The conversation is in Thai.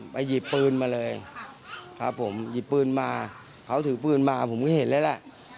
หยิบปืนมาเลยครับผมหยิบปืนมาเขาถือปืนมาผมก็เห็นแล้วแหละ